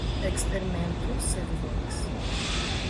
Eksperimentu, se vi volas.